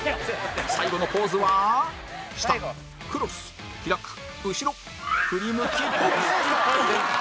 最後のポーズは下クロス開く後ろ振り向きポーズ